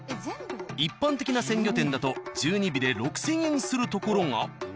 一般的な鮮魚店だと１２尾で６、０００円するところが。